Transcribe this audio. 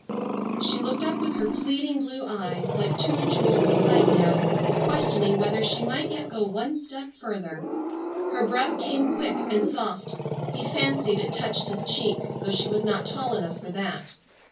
She looked up with her pleading blue eyes, like two jewels of light now, questioning whether she might yet go one step further. Her breath came quick and soft, he fancied it touched his cheek, though she was not tall enough for that.